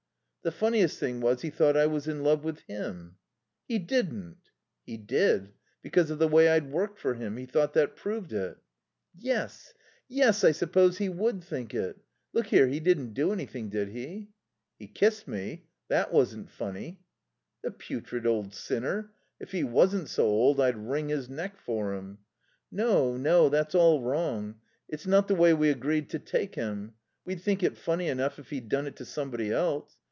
"The funniest thing was he thought I was in love with him." "He didn't!" "He did. Because of the way I'd worked for him. He thought that proved it." "Yes. Yes. I suppose he would think it.... Look here he didn't do anything, did he?" "He kissed me. That wasn't funny." "The putrid old sinner. If he wasn't so old I'd wring his neck for him." "No, no. That's all wrong. It's not the way we agreed to take him. We'd think it funny enough if he'd done it to somebody else.